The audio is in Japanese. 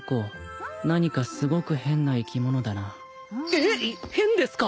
えっ変ですか？